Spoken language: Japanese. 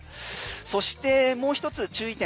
そして、もう一つ注意点